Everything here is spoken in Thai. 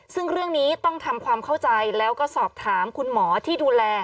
ซึ่งเรื่องนี้ต้องทำความเข้าใจแล้วก็สอบถามคุณหมอที่ดูแล